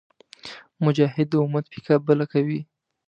مجاهد د امت پیکه بله کوي.